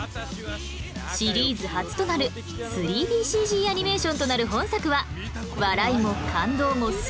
シリーズ初となる ３ＤＣＧ アニメーションとなる本作は笑いも感動もスケール感も全て